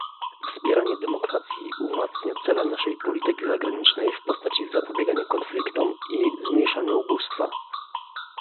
Wspieranie demokracji umacnia cele naszej polityki zagranicznej w postaci zapobiegania konfliktom i zmniejszania ubóstwa